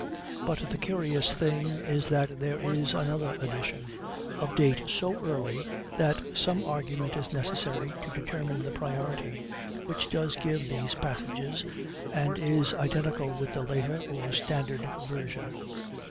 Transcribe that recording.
But the curious thing is that there is ANOTHER edition, of date so early that some argument is necessary to determine the priority, which does give these passages and is identical with the later or standard version.